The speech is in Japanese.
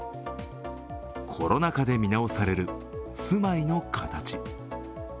コロナ禍で見直される住まいの形。